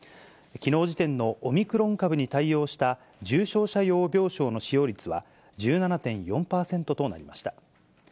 きのう時点のオミクロン株に対応した重症者用病床の使用率は１７．４％となりました。